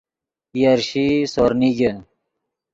یرشیئی سور نیگے